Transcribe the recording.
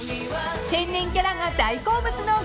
［天然キャラが大好物の後藤さん］